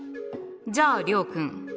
じゃあ諒君。